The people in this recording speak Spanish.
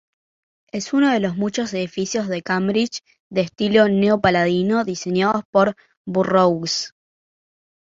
Es uno de los muchos edificios de Cambridge de estilo neo-paladiano diseñados por Burroughs.